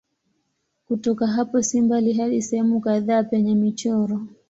Kutoka hapo si mbali hadi sehemu kadhaa penye michoro.